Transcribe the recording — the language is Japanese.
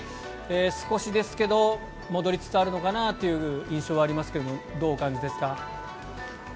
少しですけど戻りつつあるのかなという印象はありますがどうお感じですか。